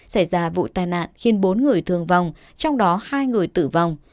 xảy ra vụ tai nạn khiến bốn người thương vong trong đó hai người tử vong